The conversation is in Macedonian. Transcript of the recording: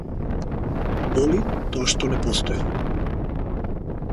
Боли тоа што не постојам.